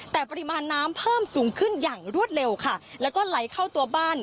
แต่ปริมาณน้ำเพิ่มสูงขึ้นอย่างรวดเร็วค่ะแล้วก็ไหลเข้าตัวบ้าน